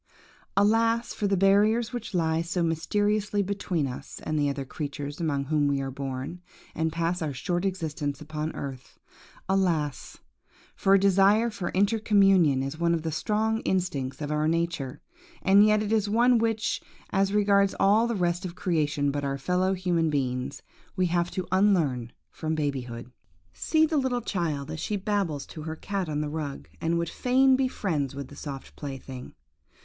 Alas, for the barriers which lie so mysteriously between us and the other creatures among whom we are born, and pass our short existence upon earth!–Alas!–for a desire for intercommunion is one of the strong instincts of our nature, and yet it is one which, as regards all the rest of creation but our human fellow beings, we have to unlearn from babyhood. See the little child as she babbles to her cat on the rug, and would fain be friends with the soft plaything.